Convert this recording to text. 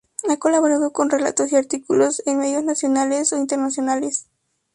Ha colaborado con relatos y artículos en medios nacionales e internacionales.